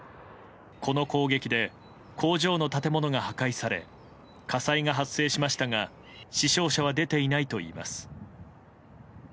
この攻撃で工場の建物が破壊され火災が発生しましたが死傷者は出ていないといいます。